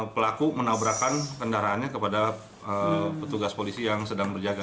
pelaku menabrakan kendaraannya kepada petugas polisi yang sedang berjaga